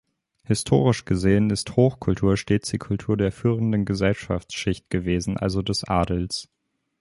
Historisch gesehen ist Hochkultur stets die Kultur der führenden Gesellschaftsschicht gewesen, also des Adels.